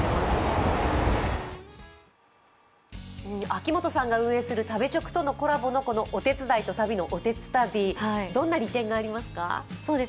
秋元さんが運営する食べチョクとのコラボのこのお手伝いと旅のおてつたびどんな利点がありますか？